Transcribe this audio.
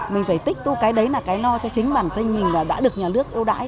mình phải tích tu cái đấy là cái no cho chính bản tinh mình là đã được nhà nước yêu đáy